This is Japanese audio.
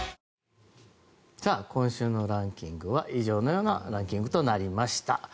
今週のランキングは以上のようなランキングになりました。